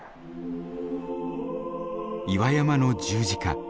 岩山の十字架。